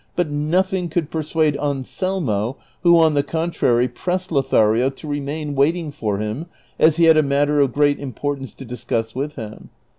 but nothing could persuade Anselmo, who on the contrary pressed Lothario to remain waiting for him as he had a matter of great im portance to discuss with him.